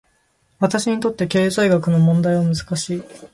私にとって、経済学の問題は難しい。